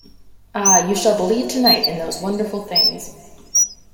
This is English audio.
Ah, you shall believe tonight in those wonderful things!